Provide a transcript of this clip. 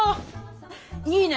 いいね。